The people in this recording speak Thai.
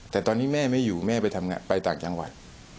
แต่ตอนนี้แม่ไม่อยู่แม่ไปทำงานไปต่างจังหวัด